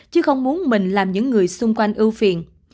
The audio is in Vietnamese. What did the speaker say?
chứ không muốn mình làm những người xung quanh ưu phiền